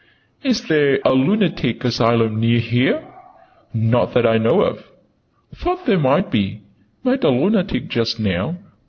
"Is there a Lunatic Asylum near here?" "Not that I know of." "Thought there might be. Met a lunatic just now.